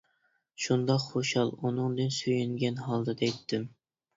شۇنداق خۇشال، ئۇنىڭدىن سۆيۈنگەن ھالدا دەيتتىم.